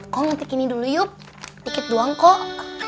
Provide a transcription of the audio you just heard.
kok nyetik ini dulu yuk dikit doang kok